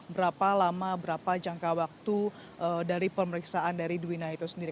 berapa lama berapa jangka waktu dari pemeriksaan dari duwina itu sendiri